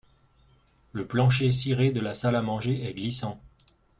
Le plancher ciré de la salle à manger est glissant